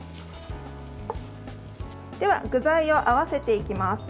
では、具材を合わせていきます。